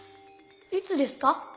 いつですか？